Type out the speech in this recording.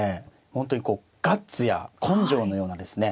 本当にこうガッツや根性のようなですね。